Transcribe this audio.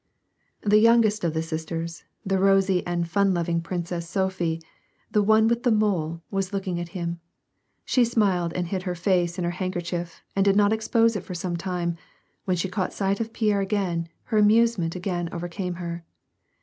The youngest of the sisters, the rosy and fun loving prin cess Sophie, the one with the mole, was looking at him. She smiled and hid her face in her handkerchief, and did not expose it for some time; when she caught sight of Pierre again, her amusement again overcame her.